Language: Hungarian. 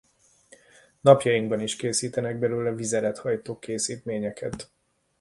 Napjainkban is készítenek belőle vizelethajtó készítményeket.